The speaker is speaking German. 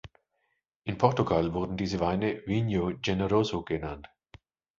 In Portugal werden diese Weine Vinho generoso genannt.